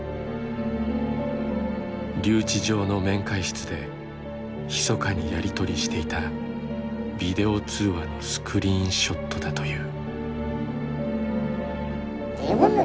留置場の面会室でひそかにやり取りしていたビデオ通話のスクリーンショットだという。